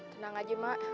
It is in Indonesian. tenang aja mak